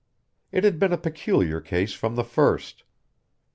It had been a peculiar case from the first.